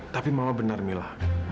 tapi mama benar mila